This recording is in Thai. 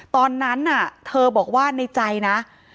ตอนนั้นเธอบอกว่าในใจนะ